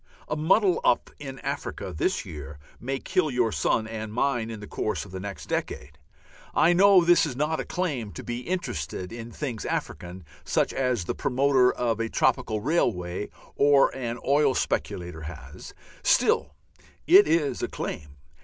A muddle up in Africa this year may kill your son and mine in the course of the next decade. I know this is not a claim to be interested in things African, such as the promoter of a tropical railway or an oil speculator has; still it is a claim.